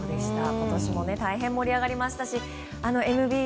今年も大変盛り上がりましたし浅尾さん